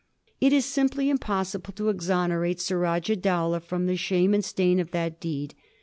It is simply impossible to exonerate Sarajah Dowlah from the shame and stain of that deed.